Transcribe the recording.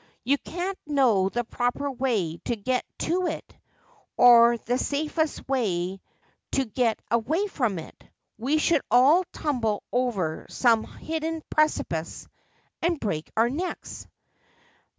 You can't know the proper way to get to it, or the safest way to get away from it. We should all tumble over some hidden precipice, and break our necks.'